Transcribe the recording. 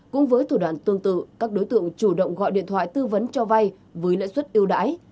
cũng với thủ đoạn tương tự các đối tượng chủ động gọi điện thoại tư vấn cho vai với lãnh xuất yêu đãi